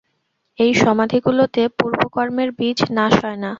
এই সমাধিগুলিতে পূর্বকর্মের বীজ নাশ হয় না।